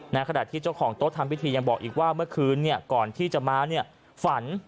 ขณะที่เจ้าของโต๊ะทำพิธียังบอกอีกว่าเมื่อคืนก่อนที่จะมาเนี่ยฝัน